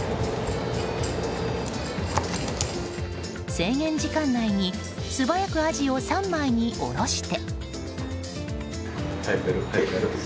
制限時間内に素早くアジを３枚におろして。